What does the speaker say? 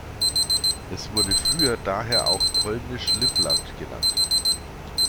Es wurde früher daher auch Polnisch-Livland genannt.